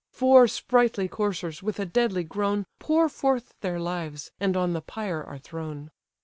Four sprightly coursers, with a deadly groan Pour forth their lives, and on the pyre are thrown.